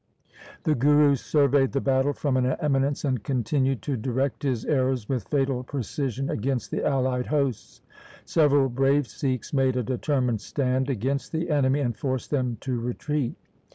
The Guru surveyed the battle from an eminence and continued to direct his arrows with fatal precision against the allied hosts. Several brave Sikhs made a determined stand against the enemy and forced them to retreat.